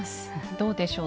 どうでしょう？